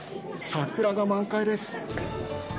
桜が満開です。